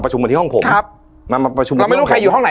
เหมือนที่ห้องผมครับมามาประชุมเราไม่รู้ใครอยู่ห้องไหน